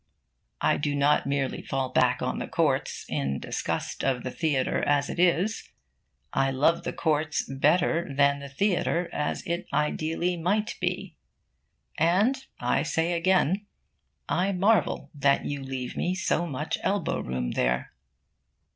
I do not merely fall back on the courts, in disgust of the theatre as it is. I love the courts better than the theatre as it ideally might be. And, I say again, I marvel that you leave me so much elbow room there.